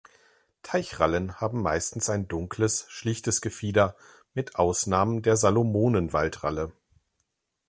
Teichrallen haben meistens ein dunkles, schlichtes Gefieder, mit Ausnahme der Salomonen-Waldralle.